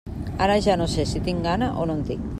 Ara ja no sé si tinc gana o no en tinc.